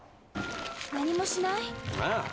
何もしない？ああ。